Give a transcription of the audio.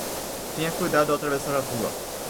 Tenha cuidado ao atravessar a rua